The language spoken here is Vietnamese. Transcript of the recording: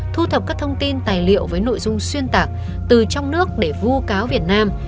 thu thập các thông tin tài liệu với nội dung xuyên tạc từ trong nước để vu cáo việt nam